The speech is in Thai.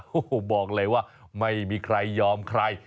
โอ้โหบอกเลยว่าไม่มีใครยอมใคร